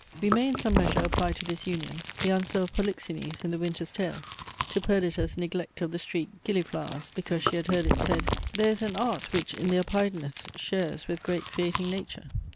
We may in some measure apply to this union the answer of Polixenes, in the Winter's Tale, to Perdita's neglect of the streaked gilliflowers, because she had heard it said, "There is an art, which, in their piedness, shares With great creating nature.